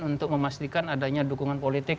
untuk memastikan adanya dukungan politik